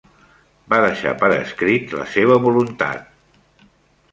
Va deixar per escrit la seva voluntat.